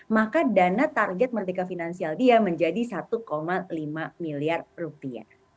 maka dana target merdeka finansial dia menjadi satu lima miliar rupiah